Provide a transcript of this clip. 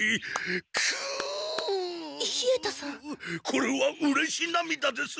これはうれしなみだです。